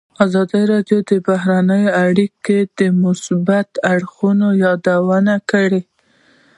ازادي راډیو د بهرنۍ اړیکې د مثبتو اړخونو یادونه کړې.